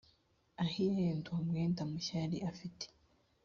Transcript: ahiya yenda uwo mwenda mushya yari afite